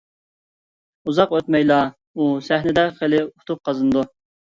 ئۇزاق ئۆتمەيلا ئۇ سەھنىدە خېلى ئۇتۇق قازىنىدۇ.